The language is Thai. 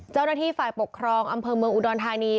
เจ้าหน้าที่ฝ่ายปกครองอำเภอเมืองอุดรธานี